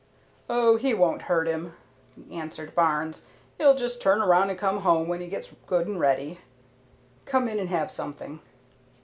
"Oh, he won't hurt him," answered Barnes. "He'll just turn around and come home when he gets good and ready. Come in and have something."